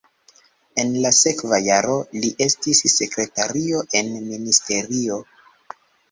En la sekva jaro li estis sekretario en ministerio.